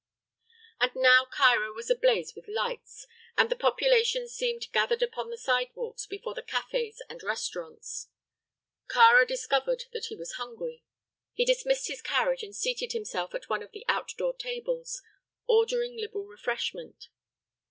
And now Cairo was ablaze with lights, and the population seemed gathered upon the sidewalks before the cafés and restaurants. Kāra discovered that he was hungry. He dismissed his carriage and seated himself at one of the outdoor tables, ordering liberal refreshment.